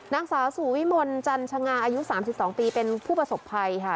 นักศาสุวิมนต์จันทรงาอายุสามสิบสองปีเป็นผู้ประสบภัยค่ะ